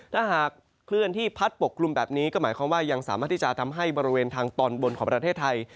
ถ้าหากเคลื่อนที่พัดปกกลุ่มแบบนี้ก็หมายความว่ายังสามารถที่จะทำให้บริเวณทางตอนบนของประเทศไทย